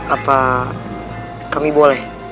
apa kami boleh